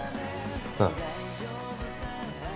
ああ